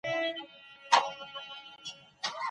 که ئې پريږدي، نو په کور يا بهر کي له پيغورونو سره مخ کيږي،